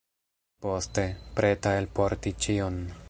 Poste, preta elporti ĉion.